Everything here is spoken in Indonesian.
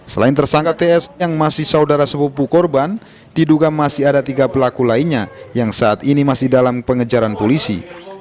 selain tersangka ts yang masih saudara sepupu korban diduga masih ada tiga pelaku lainnya yang saat ini masih dalam pengejaran polisi